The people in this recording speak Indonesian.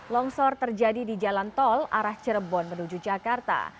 longsor terjadi di jalan tol arah cirebon menuju jakarta